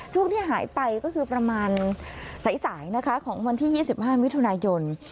ช่วงที่หายไปก็คือประมาณสายนะคะของวันที่๒๕มิถุนายน